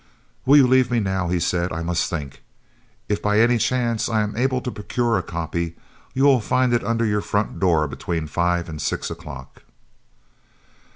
"Will you leave me now?" he said. "I must think. If by any chance I am able to procure a copy, you will find it under your front door between 5 and 6 o'clock."